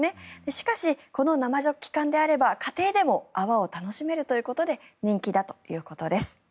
しかしこの生ジョッキ缶であれば家庭でも泡を楽しめるということで人気だということです。